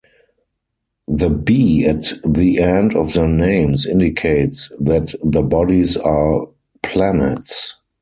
The 'b' at the end of their names indicates that the bodies are planets.